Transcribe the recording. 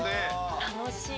楽しい。